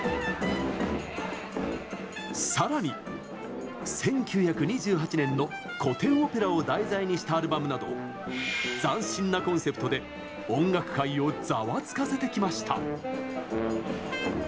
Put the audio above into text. さらに１９２８年の古典オペラを題材にしたアルバムなど斬新なコンセプトで音楽界をざわつかせてきました。